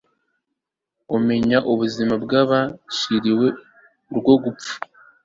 umenye ubuzima bw'abaciriwe urwo gupfa